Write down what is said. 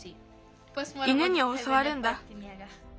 犬におそわるんだ。